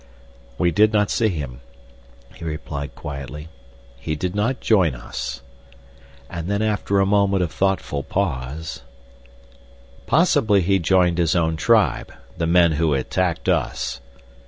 "We did not see him," he replied quietly. "He did not join us." And then after a moment of thoughtful pause: "Possibly he joined his own tribe—the men who attacked us."